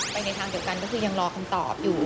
ในทางเดียวกันก็คือยังรอคำตอบอยู่